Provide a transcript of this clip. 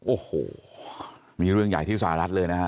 โอ้โหมีเรื่องใหญ่ที่สหรัฐเลยนะฮะ